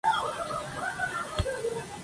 Estuvo casado con Leonor de Zúñiga.